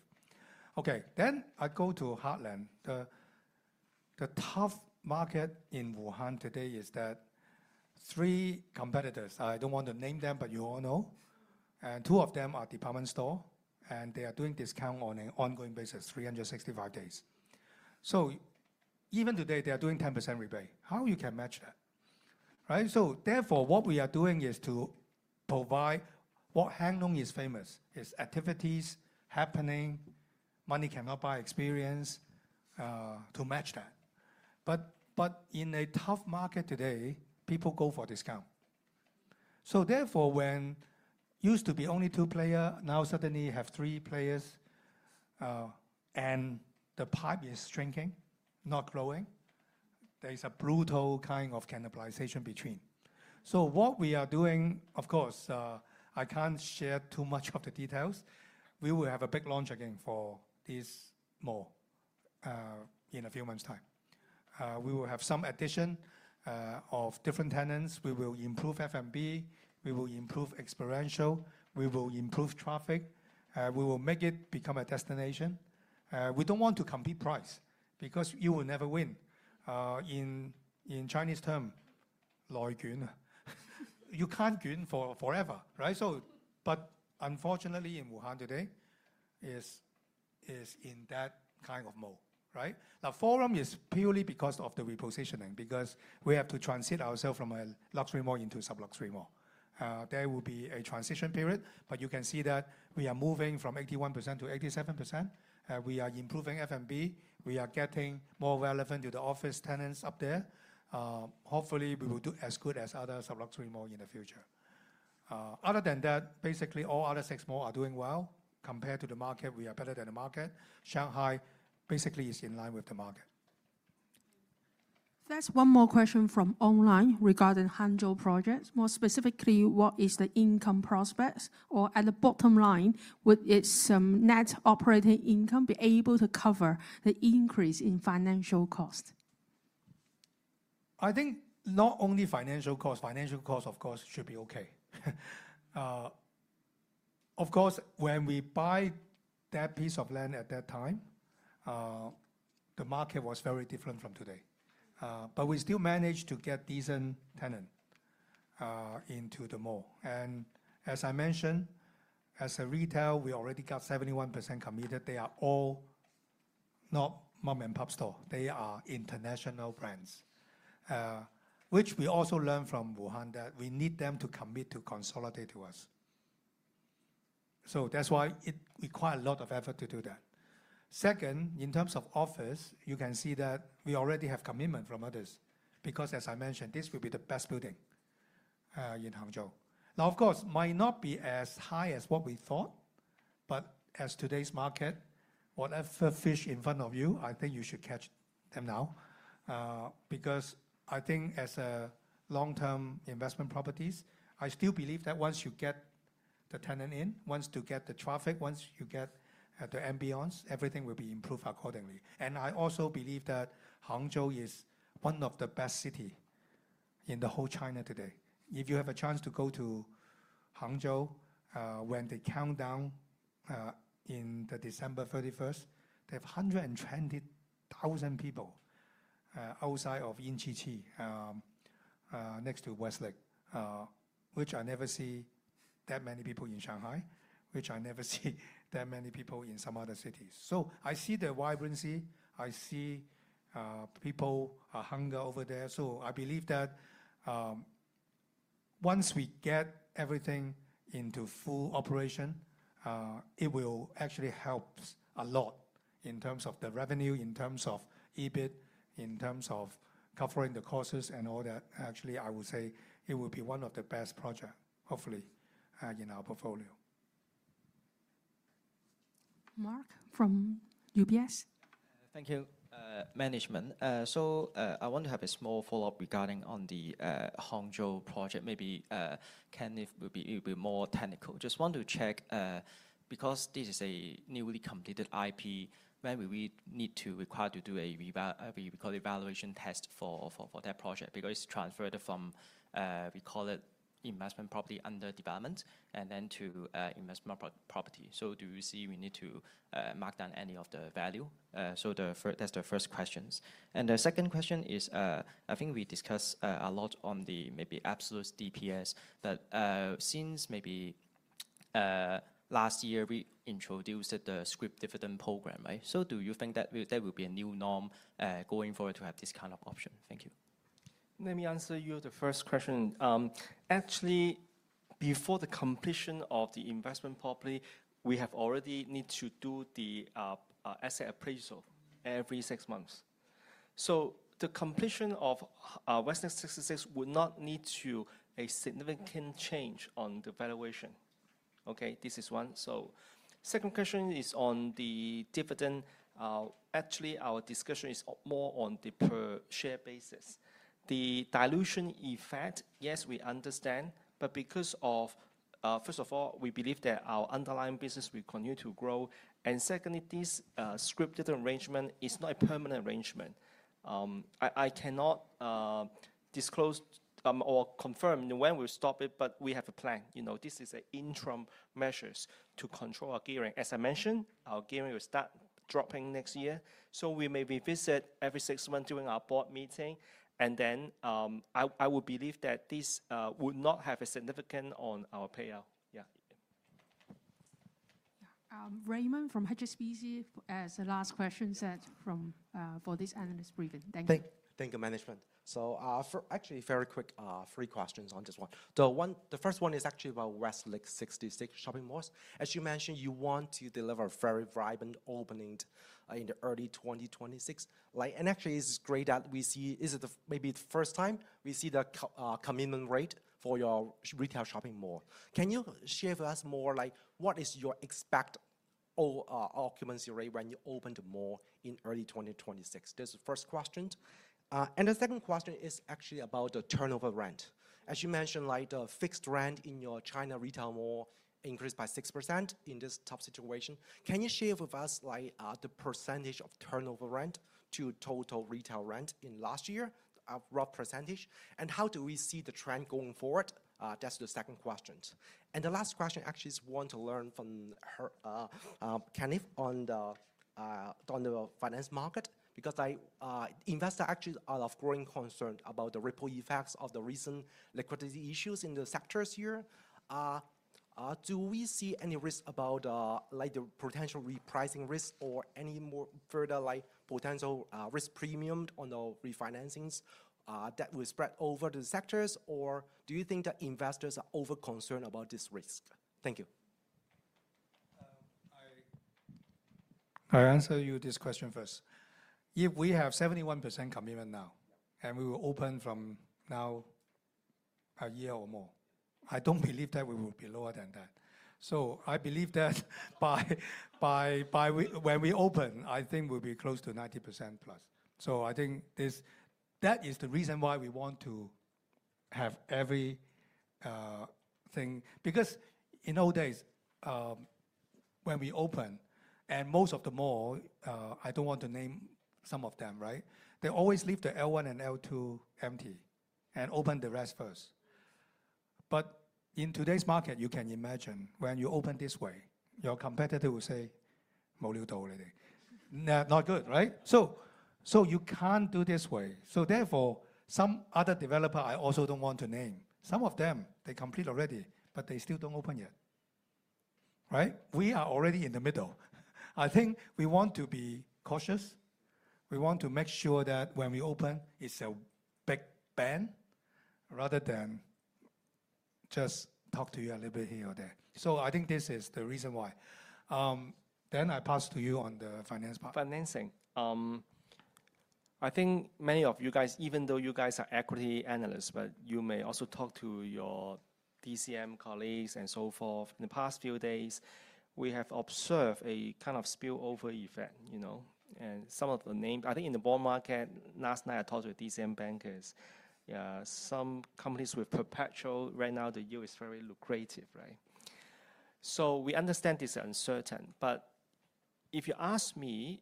Okay. Then I go to Heartland. The tough market in Wuhan today is that three competitors, I don't want to name them, but you all know, and two of them are department stores, and they are doing discount on an ongoing basis, 365 days, so even today, they are doing 10% rebate. How you can match that? Right? So therefore, what we are doing is to provide what Hang Lung is famous, is activities happening, money cannot buy experience to match that. But in a tough market today, people go for discount. So therefore, when it used to be only two players, now suddenly you have three players and the pie is shrinking, not growing, there's a brutal kind of cannibalization between. So what we are doing, of course, I can't share too much of the details. We will have a big launch again for this mall in a few months' time. We will have some addition of different tenants. We will improve F&B. We will improve experiential. We will improve traffic. We will make it become a destination. We don't want to compete price because you will never win. In Chinese term, low-yi gun. You can't gun for forever, right? So, but unfortunately in Wuhan today, it's in that kind of mall, right? Now, Forum is purely because of the repositioning, because we have to transit ourselves from a luxury mall into a sub-luxury mall. There will be a transition period, but you can see that we are moving from 81%-87%. We are improving F&B. We are getting more relevant to the office tenants up there. Hopefully, we will do as good as other sub-luxury malls in the future. Other than that, basically all other six malls are doing well. Compared to the market, we are better than the market. Shanghai basically is in line with the market. So that's one more question from online regarding Hangzhou projects. More specifically, what is the income prospects? Or at the bottom line, would its net operating income be able to cover the increase in financial cost? I think not only financial cost, financial cost, of course, should be okay. Of course, when we buy that piece of land at that time, the market was very different from today, but we still managed to get decent tenants into the mall. And as I mentioned, as a retail, we already got 71% committed. They are all not mom-and-pop stores. They are international brands, which we also learned from Wuhan that we need them to commit to consolidate to us. So that's why it required a lot of effort to do that. Second, in terms of office, you can see that we already have commitment from others because, as I mentioned, this will be the best building in Hangzhou. Now, of course, it might not be as high as what we thought, but as today's market, whatever fish in front of you, I think you should catch them now. Because I think as a long-term investment properties, I still believe that once you get the tenant in, once you get the traffic, once you get the ambiance, everything will be improved accordingly. And I also believe that Hangzhou is one of the best cities in the whole China today. If you have a chance to go to Hangzhou when they countdown in December 31st, they have 120,000 people outside of in77 next to West Lake, which I never see that many people in Shanghai, which I never see that many people in some other cities. So I see the vibrancy. I see people are hungry over there. So I believe that once we get everything into full operation, it will actually help a lot in terms of the revenue, in terms of EBIT, in terms of covering the costs and all that. Actually, I would say it will be one of the best projects, hopefully, in our portfolio. Mark from UBS. Thank you. Management. So I want to have a small follow-up regarding the Hangzhou project. Maybe Ken will be a bit more technical. Just want to check because this is a newly completed IP, when will we need to require to do a revaluation test for that project? Because it's transferred from, we call it investment property under development and then to investment property. So do you see we need to mark down any of the value? So that's the first question. And the second question is, I think we discussed a lot on the maybe absolute DPS, but since maybe last year we introduced the Scrip Dividend Program, right? So do you think that will be a new norm going forward to have this kind of option? Thank you. Let me answer you the first question. Actually, before the completion of the investment property, we have already need to do the asset appraisal every six months. So the completion of Westlake 66 would not need a significant change on the valuation. Okay, this is one. So second question is on the dividend. Actually, our discussion is more on the per share basis. The dilution effect, yes, we understand, but because of, first of all, we believe that our underlying business will continue to grow. And secondly, this Scrip Dividend arrangement is not a permanent arrangement. I cannot disclose or confirm when we'll stop it, but we have a plan. You know, this is an interim measure to control our gearing. As I mentioned, our gearing will start dropping next year. So we may revisit every six months during our board meeting. And then I would believe that this would not have a significance on our payout. Yeah. Raymond Liu from HSBC has a last question set for this analyst briefing. Thank you. Thank you, management. So actually, very quick three questions on this one. The first one is actually about Westlake 66 shopping malls. As you mentioned, you want to deliver a very vibrant opening in the early 2026. Actually, it's great that we see, is it maybe the first time we see the commitment rate for your retail shopping mall? Can you share with us more like what is your expected occupancy rate when you open the mall in early 2026? That's the first question. The second question is actually about the turnover rent. As you mentioned, the fixed rent in your China retail mall increased by 6% in this tough situation. Can you share with us the percentage of turnover rent to total retail rent in last year, a rough percentage? And how do we see the trend going forward? That's the second question. And the last question actually is one to learn from Kenny on the finance market because investors actually are of growing concern about the ripple effects of the recent liquidity issues in the sectors here. Do we see any risk about the potential repricing risk or any more further potential risk premium on the refinancings that will spread over the sectors? Or do you think that investors are over-concerned about this risk? Thank you. I answer you this question first. If we have 71% commitment now and we will open from now a year or more, I don't believe that we will be lower than that. So I believe that by when we open, I think we'll be close to 90% plus. So I think that is the reason why we want to have everything. Because in old days, when we open up most of the mall, I don't want to name some of them, right? They always leave the L1 and L2 empty and open the rest first. But in today's market, you can imagine when you open this way, your competitor will say, "Not good, right?" So you can't do this way. So therefore, some other developer, I also don't want to name. Some of them, they complete already, but they still don't open yet. Right? We are already in the middle. I think we want to be cautious. We want to make sure that when we open, it's a big bang rather than just talk to you a little bit here and there. So I think this is the reason why. Then I pass to you on the finance part. Financing. I think many of you guys, even though you guys are equity analysts, but you may also talk to your DCM colleagues and so forth. In the past few days, we have observed a kind of spillover effect, you know? And some of the names, I think in the bond market, last night I talked to a DCM bankers, some companies with perpetual, right now the yield is very lucrative, right? So we understand this is uncertain. But if you ask me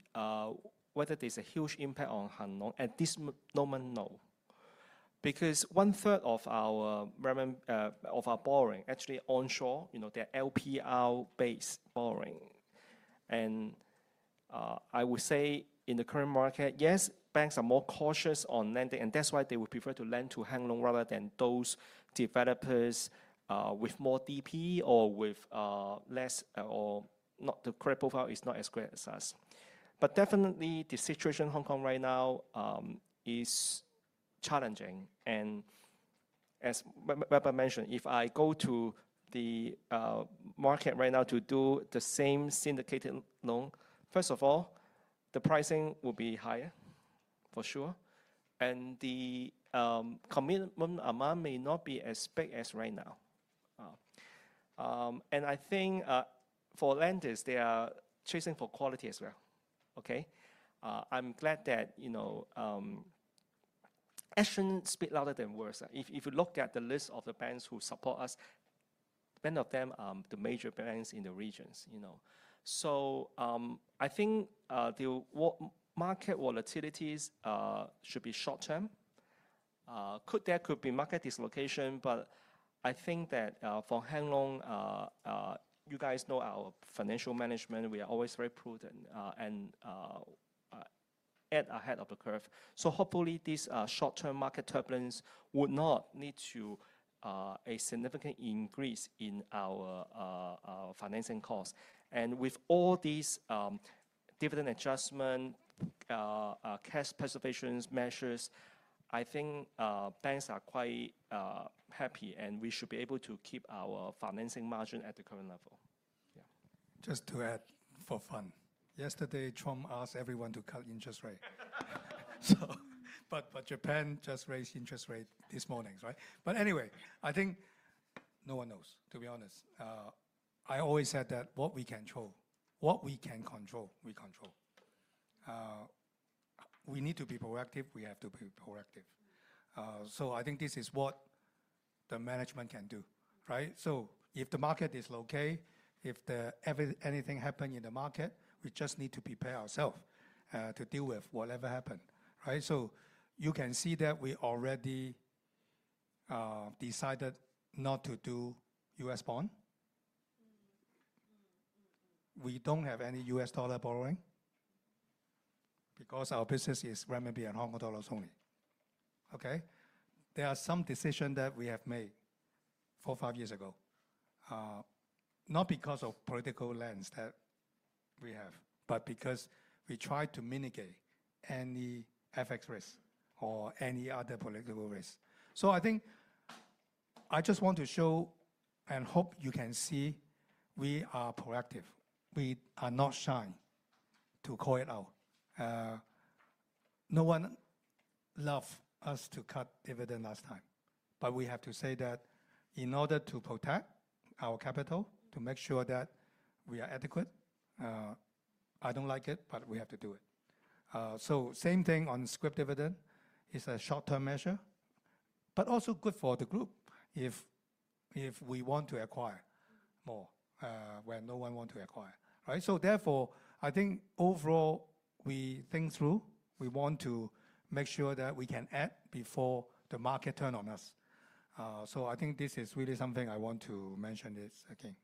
whether there's a huge impact on Hang Lung at this moment, no. Because one third of our borrowing actually onshore, you know, they're HLPL-based borrowing. I would say in the current market, yes, banks are more cautious on lending, and that's why they would prefer to lend to Hang Lung rather than those developers with more debt or with less, or the credit profile is not as great as us. But definitely the situation in Hong Kong right now is challenging. As Weber mentioned, if I go to the market right now to do the same syndicated loan, first of all, the pricing will be higher, for sure. And the commitment amount may not be as big as right now. And I think for lenders, they are chasing for quality as well. Okay? I'm glad that, you know, actions speak louder than words. If you look at the list of the banks who support us, many of them are the major banks in the regions, you know? I think the market volatilities should be short-term. There could be market dislocation, but I think that for Hang Lung, you guys know our financial management, we are always very prudent and ahead of the curve. Hopefully these short-term market turbulence would not lead to a significant increase in our financing costs. With all these dividend adjustment, cash preservation measures, I think banks are quite happy and we should be able to keep our financing margin at the current level. Yeah. Just to add for fun, yesterday Trump asked everyone to cut interest rate. Japan just raised interest rates this morning, right? Anyway, I think no one knows, to be honest. I always said that what we can control, what we can control, we control. We need to be proactive. We have to be proactive. So I think this is what the management can do, right? So if the market is okay, if anything happens in the market, we just need to prepare ourselves to deal with whatever happens, right? So you can see that we already decided not to do U.S. bond. We don't have any U.S. dollar borrowing because our business is Renminbi and Hong Kong dollars only. Okay? There are some decisions that we have made four, five years ago, not because of political lens that we have, but because we tried to mitigate any FX risk or any other political risk. So I think I just want to show and hope you can see we are proactive. We are not shy to call it out. No one loved us to cut dividend last time. But we have to say that in order to protect our capital, to make sure that we are adequate, I don't like it, but we have to do it. So same thing on Scrip Dividend. It's a short-term measure, but also good for the group if we want to acquire more when no one wants to acquire, right? So therefore, I think overall we think through. We want to make sure that we can act before the market turns on us. So I think this is really something I want to mention this again.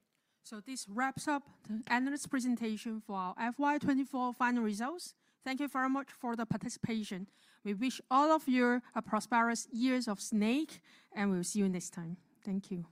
So this wraps up the analyst presentation for our FY2024 final results. Thank you very much for the participation. We wish all of you a prosperous Year of the Snake, and we'll see you next time. Thank you.